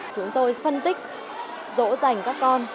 chúng tôi phân tích dỗ dành các con